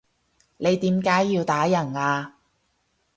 你點解要打人啊？